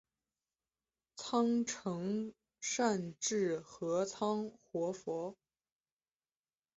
仓成善智合仓活佛。